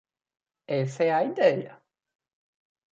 Essa é a ideia.